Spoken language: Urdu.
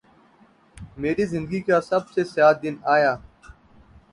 میری زندگی کا سب سے سیاہ دن آیا